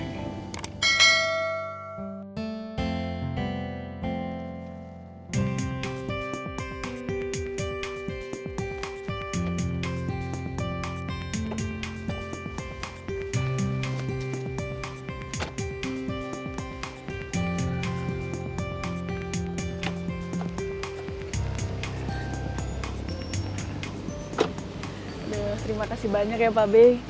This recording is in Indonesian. aduh terima kasih banyak ya pak be